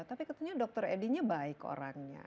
tapi katanya dokter edinya baik orangnya